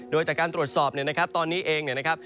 โดยจากการตรวจสอบเป็นการอย่างออกในบลิโต้